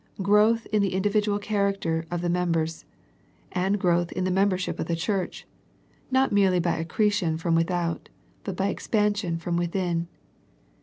Growth in the individual character of the members, and growth in the membership of the church, not merely by accretion from without, but by ex pansion from within.